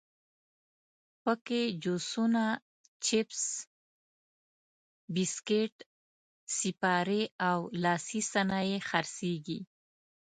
په کې جوسونه، چپس، بسکیټ، سیپارې او لاسي صنایع خرڅېږي.